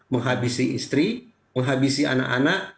menghabisi istri menghabisi anak anak